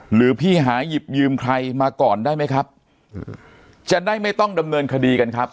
หรือพี่หาหยิบยืมใครมาก่อนได้ไหมครับจะได้ไม่ต้องดำเนินคดีกันครับ